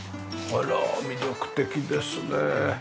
あら魅力的ですね。